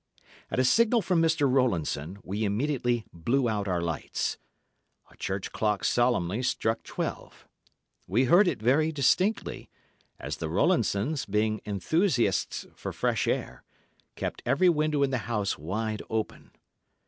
At a signal from Mr. Rowlandson, we immediately blew out our lights. A church clock solemnly struck twelve. We heard it very distinctly, as the Rowlandsons, being enthusiasts for fresh air, kept every window in the house wide open.